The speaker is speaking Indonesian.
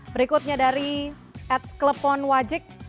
berikutnya dari at klepon wajik